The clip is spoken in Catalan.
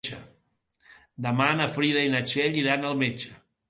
Demà na Frida i na Txell iran al metge.